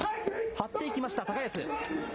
張っていきました、高安。